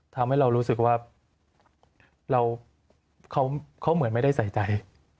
ทำให้เรารู้สึกว่าเขาเหมือนไม่ได้ใส่ใจ